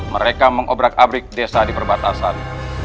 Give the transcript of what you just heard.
mereka mengobrak abrik desa di perbatasan